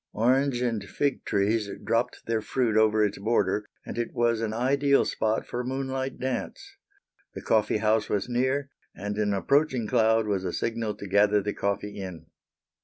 Orange and fig trees dropped their fruit over its border and it was an ideal spot for a moonlight dance. The coffee house was near, and an approaching cloud was a signal to gather the coffee in.